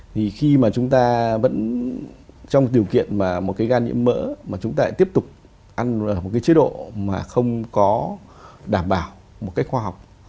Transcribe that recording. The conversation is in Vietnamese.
thì khi mà chúng ta vẫn trong điều kiện mà một cái gan nhiễm mỡ mà chúng ta lại tiếp tục ăn ở một cái chế độ mà không có đảm bảo một cách khoa học